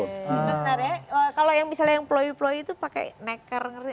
bentar ya kalau misalnya yang ploi ploi itu pakai neker